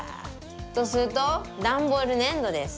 とするとダンボールねんどです。